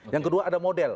yang kedua ada model